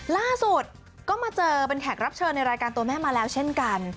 ล่าสุดก็มาเจอเป็นแขกรับเชิญในรายการตัวแม่มาแล้วเช่นกัน